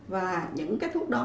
và những thuốc đó